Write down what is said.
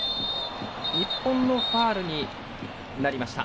日本のファウルになりました。